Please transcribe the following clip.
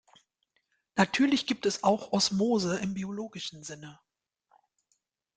Natürlich gibt es auch Osmose im biologischen Sinne.